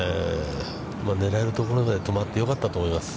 狙えるところで止まってよかったと思います。